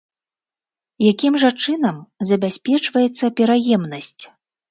Якім жа чынам забяспечваецца пераемнасць?